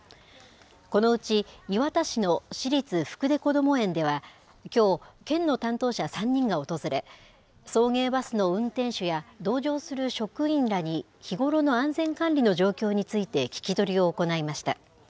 このうち、磐田市の市立福田こども園では、きょう、県の担当者３人が訪れ、送迎バスの運転手や同乗する職員らに日頃の安全管理の状況について、聞き取りを行いました。